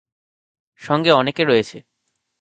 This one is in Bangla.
সঙ্গে অনেকে রয়েছে।